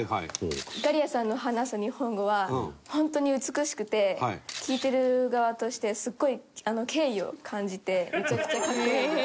いかりやさんの話す日本語は本当に美しくて聞いてる側としてすごい敬意を感じてめちゃくちゃ格好いいです。